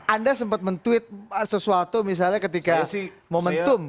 anda sempat men tweet sesuatu misalnya ketika momentum